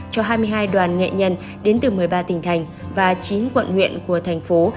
cho hai mươi hai đoàn nghệ nhân đến từ một mươi ba tỉnh thành và chín quận huyện của thành phố